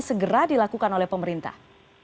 segera dilakukan oleh pemerintah